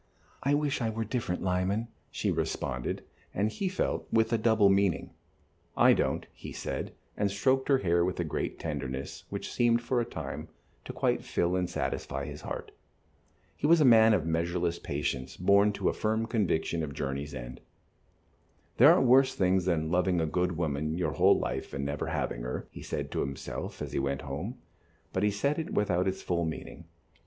"I wish I were different, Lyman," she responded, and, he felt, with a double meaning. "I don't," he said, and stroked her hair with a great tenderness, which seemed for the time to quite fill and satisfy his heart. He was a man of measureless patience, born to a firm conviction of the journey's end. "There are worse things than loving a good woman your whole life and never having her," he said to himself as he went home, but he said it without its full meaning.